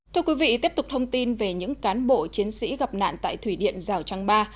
thưa quý vị tiếp tục thông tin về những cán bộ chiến sĩ gặp nạn tại thủy điện rào trăng ba